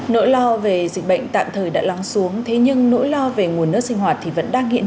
nỗi lo về dịch bệnh tạm thời đã lắng xuống thế nhưng nỗi lo về nguồn nước sinh hoạt thì vẫn đang hiện